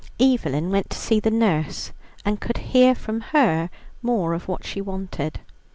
Evelyn went to see the nurse, and could hear from her more of what she wanted.